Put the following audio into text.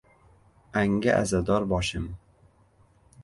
Anga azador boshim!..